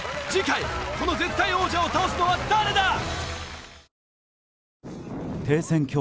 次回この絶対王者を倒すのは誰だ！？